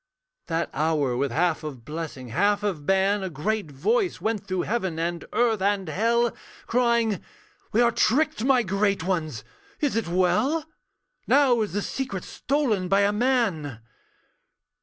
That hour, with half of blessing, half of ban, A great voice went through heaven, and earth and hell, Crying, 'We are tricked, my great ones, is it well? Now is the secret stolen by a man.'